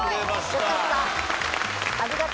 よかった。